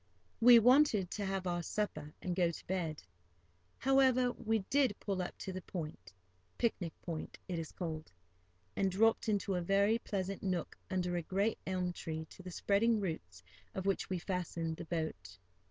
We wanted to have our supper and go to bed. However, we did pull up to the point—"Picnic Point," it is called—and dropped into a very pleasant nook under a great elm tree, to the spreading roots of which we fastened the boat.